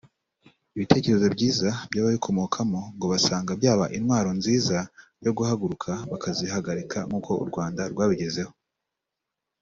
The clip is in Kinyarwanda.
ibitekerezo byiza by’ababikomokamo ngo basanga byaba intwaro nziza yo guhaguruka bakazihagarika nkuko u Rwanda rwabigezeho